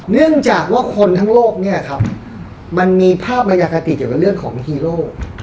เนื่องจากว่าคนทั้งโลกมันมีภาพบันยากติดกระเรือร์ของฮีโร่